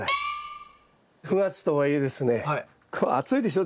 ９月とはいえですね暑いでしょ？